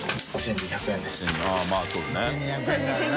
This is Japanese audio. ２２００円だよな。